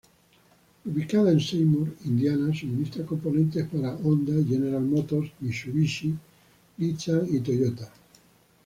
Ubicada en Seymour, Indiana, suministra componentes para Honda, General Motors, Mitsubishi, Nissan y Toyota.